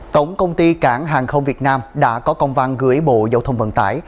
tổng công ty cảng hàng không việt nam đã có công văn gửi bộ dầu thông vận tải